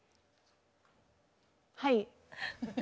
はい。